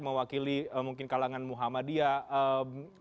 mewakili mungkin kalangan muhammadiyah